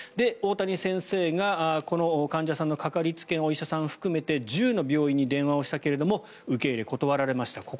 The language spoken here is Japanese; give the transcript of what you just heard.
大谷先生が、この患者さんのかかりつけのお医者さんを含めて１０の病院に電話したけども受け入れを断られました。